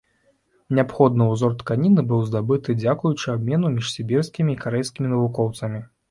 Неабходны ўзор тканіны быў здабыты дзякуючы абмену між сібірскімі і карэйскімі навукоўцамі.